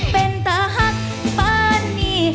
เป็นตาหักปานนี่